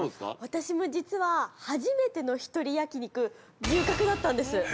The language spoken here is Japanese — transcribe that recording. ◆私も実は、初めての一人焼き肉、牛角だったんです。